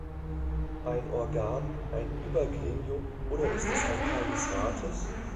Ein Organ, ein Übergremium, oder ist es ein Teil des Rates?